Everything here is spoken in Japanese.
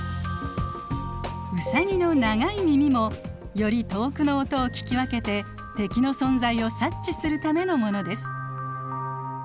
ウサギの長い耳もより遠くの音を聞き分けて敵の存在を察知するためのものです。